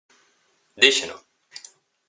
Díxeno.